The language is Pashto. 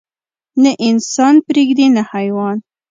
نه انسان پرېږدي نه حيوان.